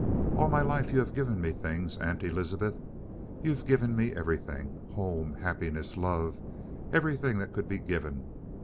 "All my life you've given me things, Aunt Elizabeth. You've given me everything. Home, happiness, love everything that could be given.